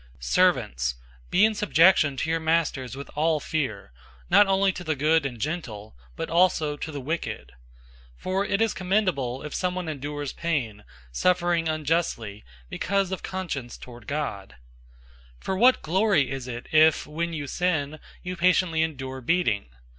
002:018 Servants, be in subjection to your masters with all fear; not only to the good and gentle, but also to the wicked. 002:019 For it is commendable if someone endures pain, suffering unjustly, because of conscience toward God. 002:020 For what glory is it if, when you sin, you patiently endure beating?